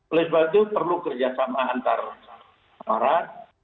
oleh sebab itu perlu kerjasama antar aparat